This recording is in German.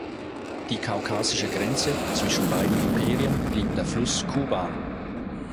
Die kaukasische Grenze zwischen beiden Imperien blieb der Fluss Kuban.